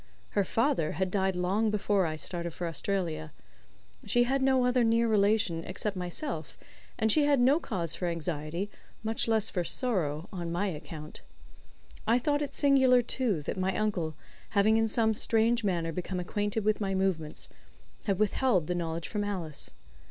Her father had died long before I started for Australia. She had no other near relation except myself, and she had no cause for anxiety, much less for "sorrow," on my account. I thought it singular, too, that my uncle, having in some strange manner become acquainted with my movements, had withheld the knowledge from Alice.